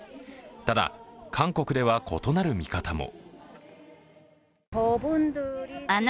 ただ、韓国では異なる見方も。